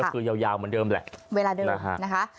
คือยาวเหมือนเดิมแหละเวลาเดิมนะคะ